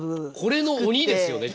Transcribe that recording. これの鬼ですよね？